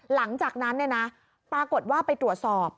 หลังจากนั้นปรากฏว่าไปตรวจสอบ